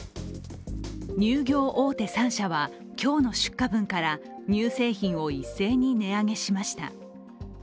乳業大手３社は今日の出荷分から乳製品を一斉に値上げしました。